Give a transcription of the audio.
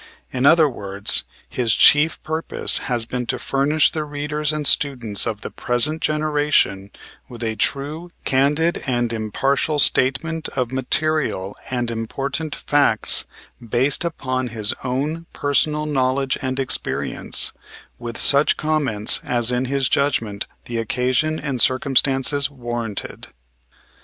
In other words, his chief purpose has been to furnish the readers and students of the present generation with a true, candid and impartial statement of material and important facts based upon his own personal knowledge and experience, with such comments as in his judgment the occasion and circumstances warranted.